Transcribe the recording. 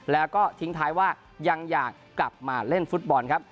แล้วก็ทิ้งท้ายว่ายังอยากกลับมาเล่นฟุตบอลครับ